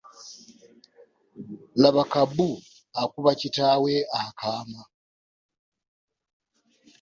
Laba Kabu akuba kitaawe akaama.